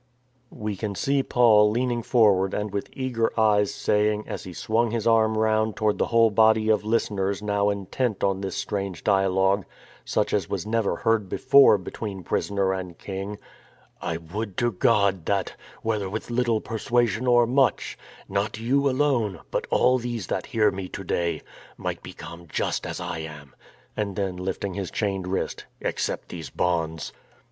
We can see Paul leaning forward and with eager eyes saying, as he swung his arm round toward the whole body of listeners now intent on this strange dialogue, such as was never heard before between prisoner and king: " I would to God that, whether with little persua THE KING AND THE MAN 317 sion or much, not you alone, but all these that hear me to day, might become just as I am "— and then, lifting his chained wrist —" except these bonds."